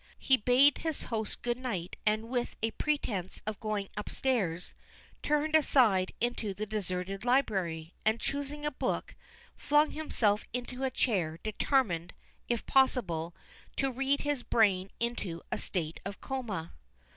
He bade his host good night and, with a pretense of going upstairs, turned aside into the deserted library, and, choosing a book, flung himself into a chair, determined, if possible, to read his brain into a state of coma.